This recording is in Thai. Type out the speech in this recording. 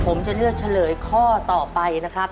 ผมจะเลือกเฉลยข้อต่อไปนะครับ